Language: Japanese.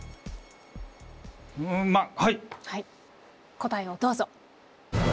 答えをどうぞ。